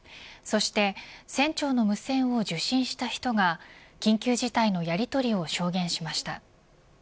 そして船長の無線を受信した人が緊急事態のやりとりを証言しました。